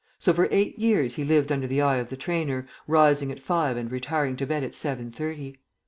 So for eight years he lived under the eye of the trainer, rising at five and retiring to bed at seven thirty.